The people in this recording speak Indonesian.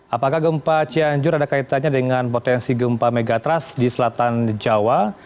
apakah gempa cianjur ada kaitannya dengan potensi gempa megatrust di selatan jawa